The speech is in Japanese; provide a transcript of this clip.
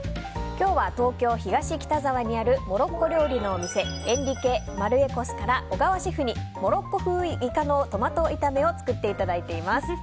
今日は東京・東北沢にあるモロッコ料理のお店エンリケマルエコスから小川シェフにモロッコ風イカのトマト炒めを作っていただいています。